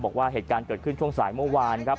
บอกว่าเหตุการณ์เกิดขึ้นช่วงสายเมื่อวานครับ